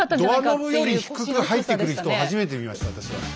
ドアノブより低く入ってくる人を初めて見ました私は。